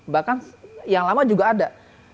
bahkan yang lama juga ada